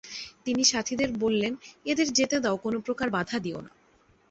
তিনি সাথীদের বললেন, এদের যেতে দাও কোন প্রকার বাধা দিও না।